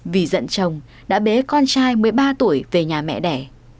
vì giận chồng đã bế con trai một mươi ba tuổi về nhà mẹ đẻ